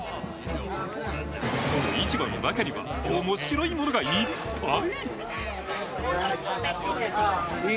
その市場の中には面白いものがいっぱい。